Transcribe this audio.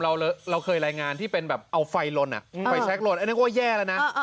เราเคยรายงานที่เป็นแบบเอาไฟลนไฟแชคลนอันนึกว่าแย่แล้วนะ